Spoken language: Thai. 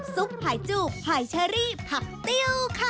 ซุปไผ่จูบหายเชอรี่ผักติ้วค่ะ